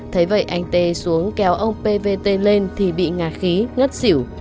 thế vậy anh tê xuống kéo ông pê vê tê lên thì bị ngạt khí ngất xỉu